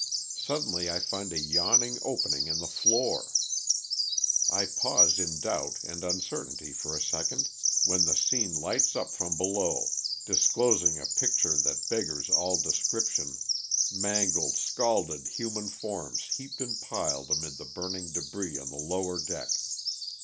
Suddenly I find a yawning opening in the floor. I pause in doubt and uncertainty for a second, when the scene lights up from below, disclosing a picture that LOSS OF THE SULTAKA. 117 beggars all description — mangled, scalded human forms heaped and piled amid the burning debris on the lower deck.